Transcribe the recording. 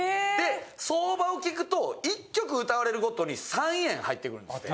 相場を聞くと１曲歌われるごとに３円入ってくるんですって。